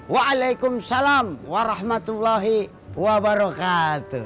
waalaikumsalam warahmatullahi wabarakatuh